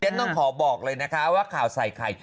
ต้องขอบอกเลยนะคะว่าข่าวใส่ไข่